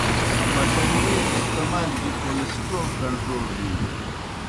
بٹَݩگے استعمال گیْ کولِسٹرل کنٹرول بِینیْ۔